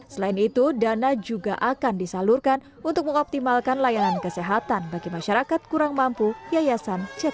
selain itu dana juga akan disalurkan untuk mengoptimalkan layanan kesehatan bagi masyarakat kurang mampu yayasan